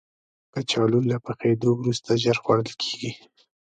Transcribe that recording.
کچالو له پخېدو وروسته ژر خوړل کېږي